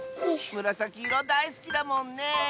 むらさきいろだいすきだもんね！